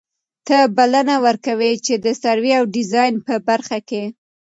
ته بلنه ور کوي چي د سروې او ډيزاين په برخه کي